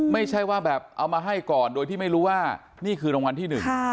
ไม่ใช่ว่าแบบเอามาให้ก่อนโดยที่ไม่รู้ว่านี่คือรางวัลที่หนึ่ง